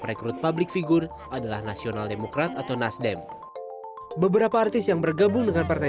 rekrut publik figur adalah nasional demokrat atau nasdem beberapa artis yang bergabung dengan partai